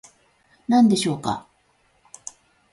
何でしょうか